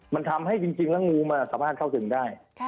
มันทำให้จริงแล้วงูมันสามารถเข้าถึงได้